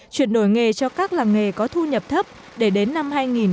chuyển đổi nghề cho các làng nghề có thu nhập thấp để đến năm hai nghìn hai mươi